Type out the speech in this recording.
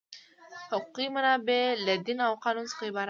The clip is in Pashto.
حقوقي منابع له دین او قانون څخه عبارت دي.